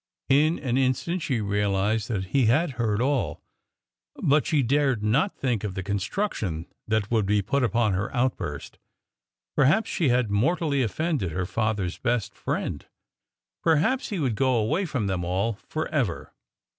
In an instant she realized that he had heard all, but she dared not think of the construction that would be put upon her outburst. Perhaps she had mortally offended her father's best friend; perhaps he would go away from them all for ever.